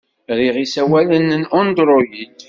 Riɣ isawalen n Android.